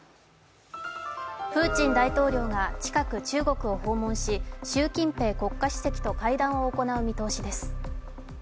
プーチン大統領が近く中国を訪問し、習近平国家主席と会談を行う見通しです。